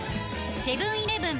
セブン−イレブン